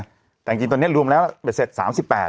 แต่จริงจริงตอนเนี้ยรวมแล้วเสร็จ๓๘ครับ